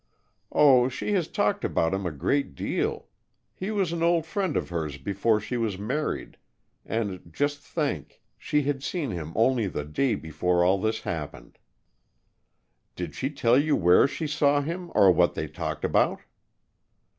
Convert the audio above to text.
"Oh, she has talked about him a great deal. He was an old friend of hers before she was married, and, just think, she had seen him only the day before all this happened." "Did she tell you where she saw him, or what they talked about?"